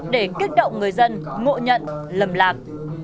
để kích động người dân ngộ nhận lầm lạc